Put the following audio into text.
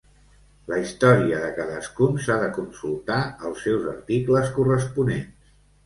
La història de cadascun s'ha de consultar als seus articles corresponents.